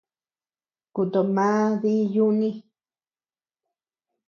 Kuto mà dii yuni.